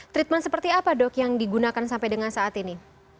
treatment seperti apa dok yang digunakan sampai dengan saat ini